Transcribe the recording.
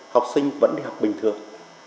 học sinh vẫn đi học bình thường